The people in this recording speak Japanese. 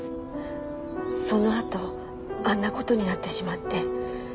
その後あんなことになってしまって。